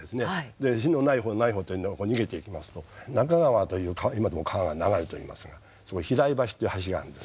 で火のない方ない方逃げていきますと中川という今でも川が流れておりますがそこに平井橋っていう橋があるんです。